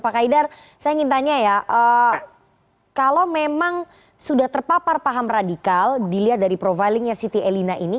pak haidar saya ingin tanya ya kalau memang sudah terpapar paham radikal dilihat dari profilingnya siti elina ini